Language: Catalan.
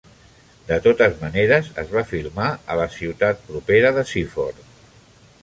De totes maneres, es va filmar a la ciutat propera de Seaford.